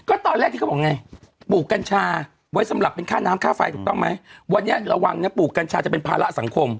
ก็ตอนแรกที่เขาบอกไงปลูกกัญชาไว้สำหรับเป็นค่าน้ำค่าไฟถูกต้องไหมวันนี้ระวังนะปลูกกัญชาจะเป็นภาระสังคม